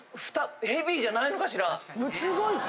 ヘビーじゃないのかしら？